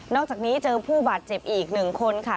อกจากนี้เจอผู้บาดเจ็บอีก๑คนค่ะ